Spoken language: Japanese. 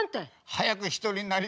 「早く一人になりたいな」